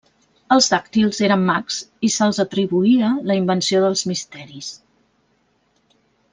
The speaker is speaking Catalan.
Els dàctils eren mags i se'ls atribuïa la invenció dels Misteris.